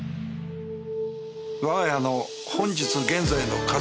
「わが家の本日現在の家族」